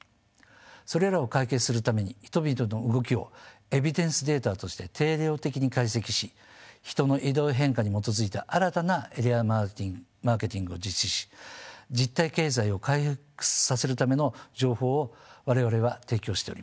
それらを解決するために人々の動きをエビデンスデータとして定量的に解析し人の移動変化に基づいた新たなエリアマーケティングを実施し実態経済を回復させるための情報を我々は提供しております。